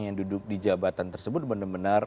yang duduk di jabatan tersebut benar benar